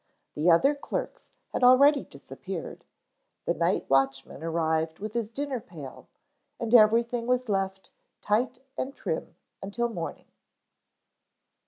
The other clerks had already disappeared, the night watchman arrived with his dinner pail and everything was left tight and trim until morning.